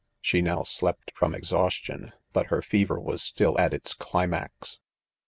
She now slept from exhaustion, but her fever was still at its climax.